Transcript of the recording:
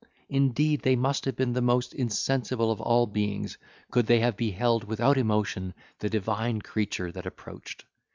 Indeed, they must have been the most insensible of all beings, could they have beheld without emotion the divine creature that approached!